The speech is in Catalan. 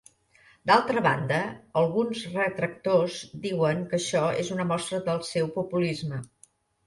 D'altra banda, alguns retractors diuen que això és una mostra del seu populisme.